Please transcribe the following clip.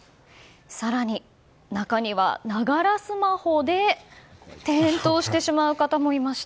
更に、中にはながらスマホで転倒してしまう方もいました。